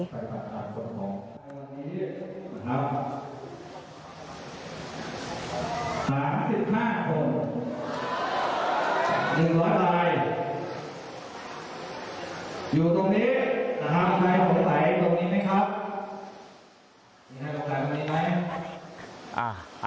สาธารกองไข้ตรงนี้มั้ยครับ